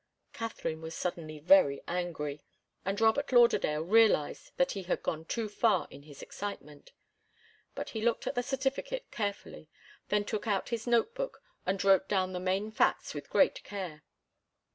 Katharine was suddenly very angry, and Robert Lauderdale realized that he had gone too far in his excitement. But he looked at the certificate carefully, then took out his note book and wrote down the main facts with great care.